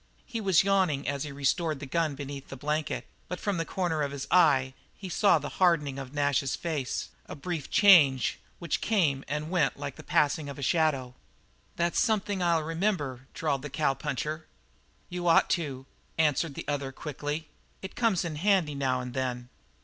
He was yawning as he restored the gun beneath the blanket, but from the corner of his eye he saw the hardening of Nash's face, a brief change which came and went like the passing of a shadow. "That's something I'll remember," drawled the cowpuncher. "You ought to," answered the other quickly, "it comes in handy now and then."